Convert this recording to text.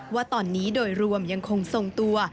ว่าตอนนี้โดยรวมยังคงทรงตัว